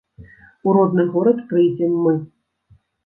У родны горад прыйдзем мы.